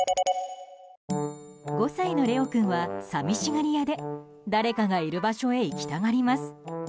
５歳のレオ君は、寂しがり屋で誰かがいる場所へ行きたがります。